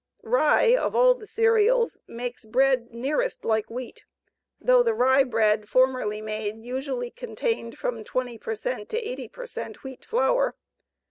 Rye, of all the cereals, makes bread nearest like wheat, though the rye bread formerly made usually contained from 20 per cent to 80 per cent wheat flour.